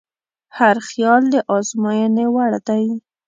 هر خیال د ازموینې وړ دی.